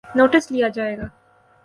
Notice لیا جائے گا۔